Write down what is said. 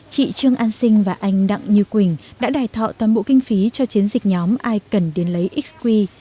chị trương an sinh và anh đặng như quỳnh đã đài thọ toàn bộ kinh phí cho chiến dịch nhóm ai cần đến lấy xq